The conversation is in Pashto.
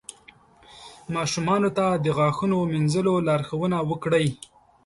ماشومانو ته د غاښونو مینځلو لارښوونه وکړئ.